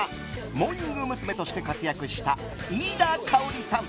モーニング娘。として活躍した飯田圭織さん